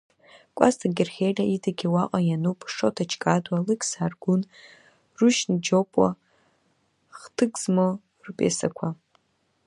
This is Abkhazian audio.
Кәасҭа Герхелиа идагьы уаҟа иануп Шоҭа Ҷкадуа, Алықьса Аргәын, Рушьни Џьопуа қҭык змоу рпиесақәа.